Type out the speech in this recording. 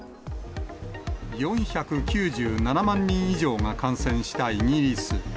４９７万人以上が感染したイギリス。